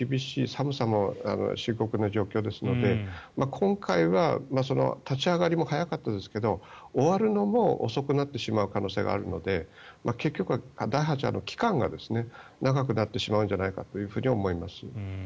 寒さも深刻な状況ですので今回は立ち上がりも早かったですが終わるのも遅くなってしまう可能性があるので結局は第８波の期間が長くなってしまうんじゃないかと思います。